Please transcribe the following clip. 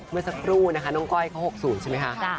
เมื่อสักครู่นะคะน้องก้อยเขา๖๐ใช่ไหมคะ